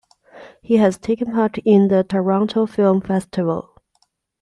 He has taken part in the Toronto Film Festival.